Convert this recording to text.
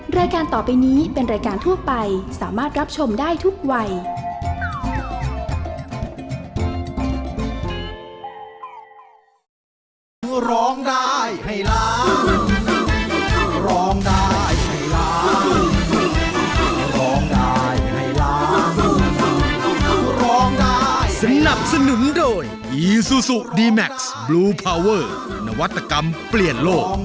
รายการต่อไปนี้เป็นรายการทั่วไปสามารถรับชมได้ทุกวัย